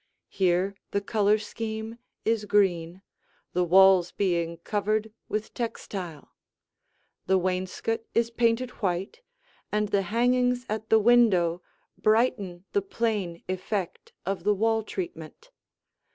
Here the color scheme is green, the walls being covered with textile; the wainscot is painted white, and the hangings at the window brighten the plain effect of the wall treatment.